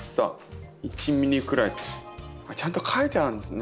ちゃんと書いてあるんですね。